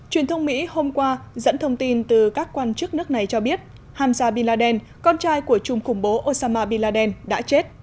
truyền thông mỹ hôm qua dẫn thông tin từ các quan chức nước này cho biết hamza bin laden con trai của chung khủng bố osama bin laden đã chết